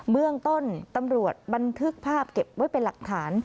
เมืองต้นตำรวจบันทึกภาพเก็บไว้เป็นหลักฐาน